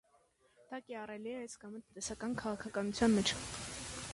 Դա կիրառելի է այս կամ այն տնտեսական քաղաքականության մեջ։